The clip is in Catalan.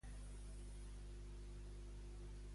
El barri marítim de Torredembarra és Baix a Mar.